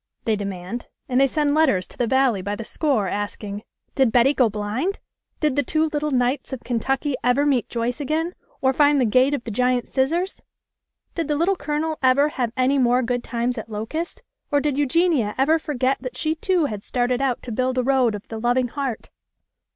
" they demand, and they send letters to the Valley by the score, asking " Did Betty go blind ?"" Did the two little Knights of Kentucky ever meet Joyce again or find the Gate of the Giant Scissors ?" Did the Little Colonel ever have any more good times at Locust, or did Eugenia ever forget that she too had started out to build a Road of the Loving Heart?